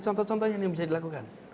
contoh contohnya ini yang bisa dilakukan